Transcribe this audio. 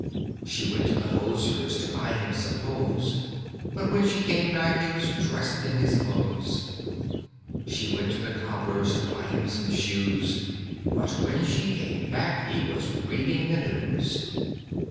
She went to the hosier's To buy him some hose, But when she came back He was dressed in his clothes. She went to the cobbler's To buy him some shoes, But when she came back He was reading the news.